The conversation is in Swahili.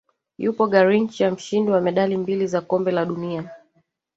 Yupo Garrincha mshindi wa medali mbili za kombe la dunia